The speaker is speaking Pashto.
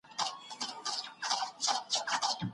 هغه د کورنۍ سره سختي نه ده کړې.